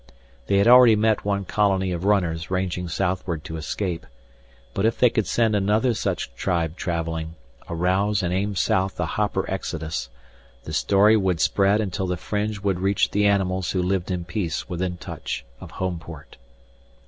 They had already met one colony of runners ranging southward to escape. But if they could send another such tribe traveling, arouse and aim south a hopper exodus, the story would spread until the fringe would reach the animals who lived in peace within touch of Homeport.